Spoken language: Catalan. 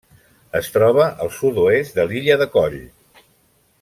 Es troba al sud-oest de l'illa de Coll.